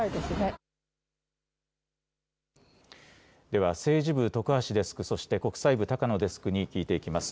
では、政治部の徳橋デスク、そして国際部、高野デスクに聞いていきます。